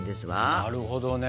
なるほどね。